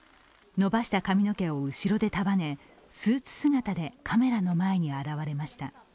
伸ばした髪の毛を後ろで束ねスーツ姿でカメラの前に現れました。